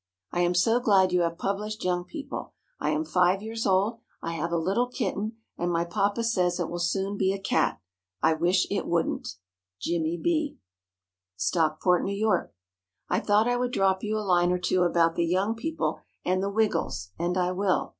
I am so glad you have published Young People. I am five years old. I have a little kitten, and my papa says it will soon be a cat. I wish it wouldn't. JIMMIE B. STOCKPORT, NEW YORK. I thought I would drop you a line or two about the Young People and the "Wiggles," and I will.